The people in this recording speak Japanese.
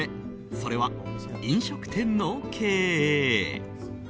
それは、飲食店の経営。